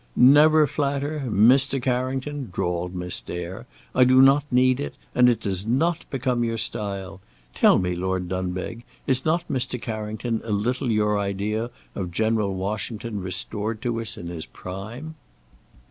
"Never flatter! Mr. Carrington," drawled Miss Dare; "I do not need it, and it does not become your style. Tell me, Lord Dunbeg, is not Mr. Carrington a little your idea of General Washington restored to us in his prime?"